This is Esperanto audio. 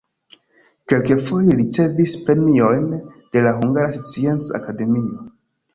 Kelkfoje li ricevis premiojn de la Hungara Scienca Akademio.